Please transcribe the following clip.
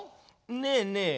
ねえねえ。